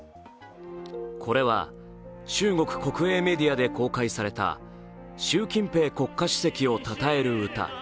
これは中国国営メディアで公開された習近平国家主席をたたえる歌。